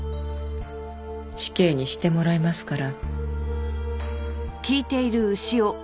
死刑にしてもらいますから。